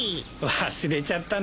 忘れちゃったな。